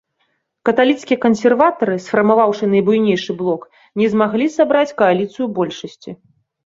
Каталіцкія кансерватары, сфармаваўшы найбуйнейшы блок, не змаглі сабраць кааліцыю большасці.